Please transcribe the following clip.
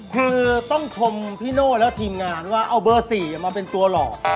คือต้องชมพี่โน่และทีมงานว่าเอาเบอร์๔มาเป็นตัวหลอก